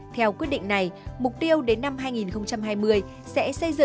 theo quyết định này mục tiêu đến năm hai nghìn hai mươi sẽ xây dựng một mươi khu nông nghiệp ứng dụng công nghệ cao